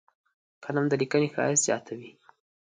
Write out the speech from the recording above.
قلم د لیکنې ښایست زیاتوي